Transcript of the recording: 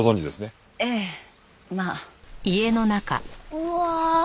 うわ！